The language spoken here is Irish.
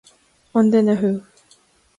An duine thú?